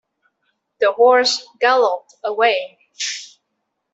The horse galloped away.